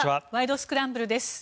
スクランブル」です。